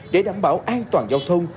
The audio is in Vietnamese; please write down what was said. để đảm bảo an toàn giao thông